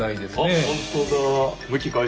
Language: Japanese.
あっ本当だ。